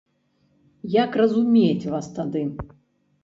Як разумець вас тады?